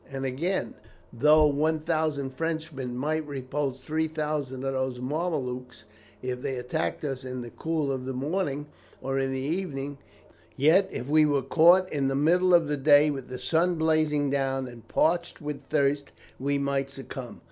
And, again, though 1000 Frenchmen might repulse 3000 of those Mamelukes if they attacked us in the cool of the morning or in the evening, yet if we were caught in the middle of the day, with the sun blazing down, and parched with thirst, we might succumb.